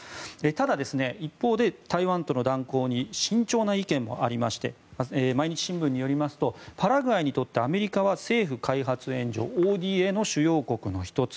ただ一方で、台湾との断交に慎重な意見もありまして毎日新聞によりますとパラグアイにとってアメリカは政府開発援助・ＯＤＡの主要国の１つ。